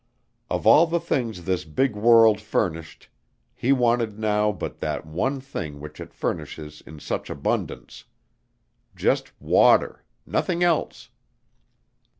Of all the things this big world furnished, he wanted now but that one thing which it furnishes in such abundance. Just water nothing else.